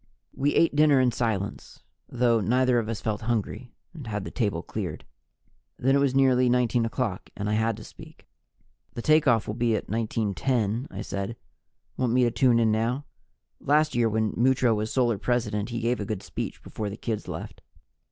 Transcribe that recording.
We ate dinner in silence, though neither of us felt hungry, and had the table cleared. Then it was nearly 19 o'clock and I had to speak. "The takeoff will be at 19:10," I said. "Want me to tune in now? Last year, when Mutro was Solar President, he gave a good speech before the kids left."